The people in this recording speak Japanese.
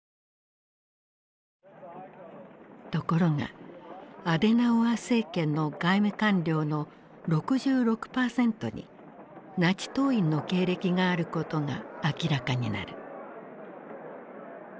ところがアデナウアー政権の外務官僚の６６％にナチ党員の経歴があることが明らかになる。